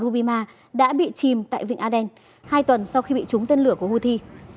rubima đã bị chìm tại vịnh aden hai tuần sau khi bị trúng tên lửa của houthi